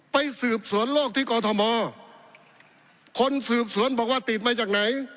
ไปสืบสวนโลกที่กอทมคนสืบสวนบอกว่าติดมาจากไหน